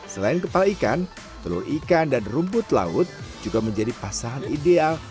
selain kepala ikan telur ikan dan rumput laut juga menjadi pasangan ideal